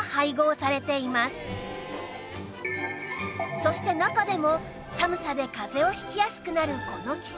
そして中でも寒さで風邪をひきやすくなるこの季節